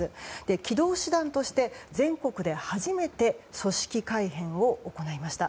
機動師団として、全国で初めて組織改編を行いました。